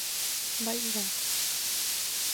Бальзак...